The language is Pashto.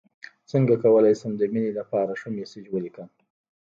څنګه کولی شم د مینې لپاره ښه میسج ولیکم